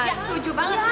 iya tuju banget